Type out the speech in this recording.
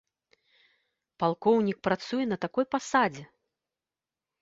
Палкоўнік працуе на такой пасадзе!